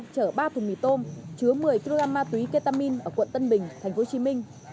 chở ba thùng mì tôm chứa một mươi kg ma tùy ketamine ở quận tân bình tp hcm